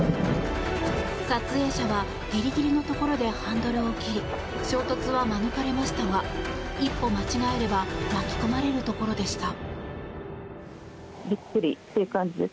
撮影者はギリギリのところでハンドルを切り衝突は免れましたが一歩間違えれば巻き込まれるところでした。